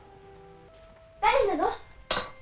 誰なの？